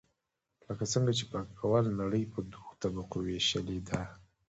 لکه څنګه چې پانګواله نړۍ په دوو طبقو ویشلې ده.